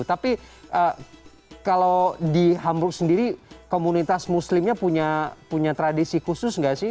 tapi kalau di hamburg sendiri komunitas muslimnya punya tradisi khusus nggak sih